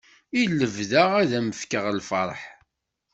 I lebda ad am fkeɣ lferḥ.